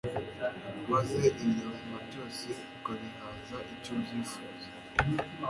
maze ibinyabuzima byose ukabihaza icyo byifuza